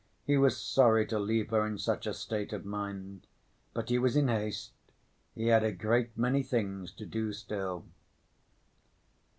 He was sorry to leave her in such a state of mind, but he was in haste. He had a great many things to do still.